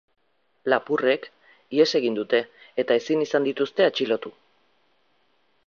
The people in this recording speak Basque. Lapurrek ihes egin dute eta ezin izan dituzte atxilotu.